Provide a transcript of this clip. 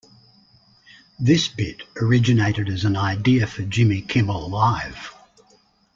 This bit originated as an idea for Jimmy Kimmel Live!